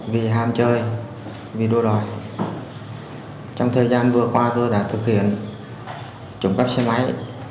vì hàm chơi vì đua đòi trong thời gian vừa qua tôi đã thực hiện trộm cắp xe máy